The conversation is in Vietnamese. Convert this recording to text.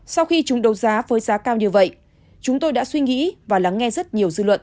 sau khi chúng đấu giá với giá cao như vậy chúng tôi đã suy nghĩ và lắng nghe rất nhiều dư luận